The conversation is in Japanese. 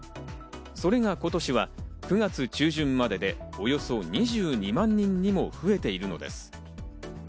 それが今年は９月中旬までで、およそ２２万人にも増えているのです。